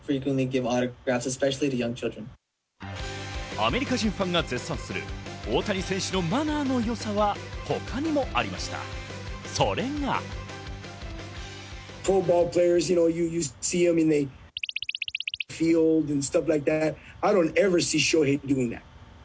アメリカ人ファンが絶賛する大谷選手のマナーのよさが他にもありました。